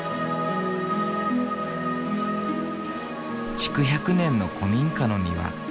築１００年の古民家の庭。